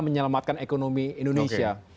menyelamatkan ekonomi indonesia